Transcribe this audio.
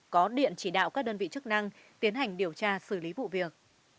có điện chỉ đạo các đơn vị chức năng tiến hành điều tra xử lý vụ việc